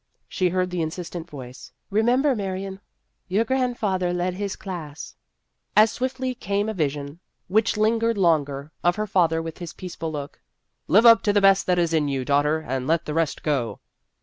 She heard the insistent voice, " Remember, Marion, your grandfather led his class." As swiftly came a vision, which lingered 104 Vassar Studies longer, of her father with his peaceful look. " Live up to the best that is in you, daughter, and let the rest go."